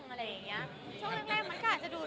ช่วงแรกมันก็อาจจะดูท่อง